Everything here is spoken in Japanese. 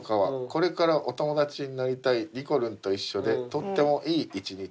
これからお友達になりたいにこるんと一緒でとってもいい一日」